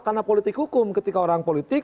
karena politik hukum ketika orang politik